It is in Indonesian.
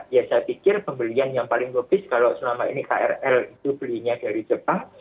ya saya pikir pembelian yang paling lukis kalau selama ini krl itu belinya dari jepang